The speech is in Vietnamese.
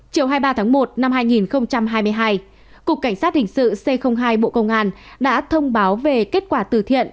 chiều hai mươi ba một hai nghìn hai mươi hai cục cảnh sát hình sự c hai bộ công an đã thông báo về kết quả tử thiện